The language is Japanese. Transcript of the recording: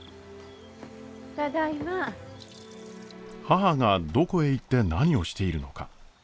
母がどこへ行って何をしているのか。